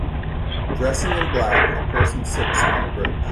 Dressing in black, a person sits on a bridge.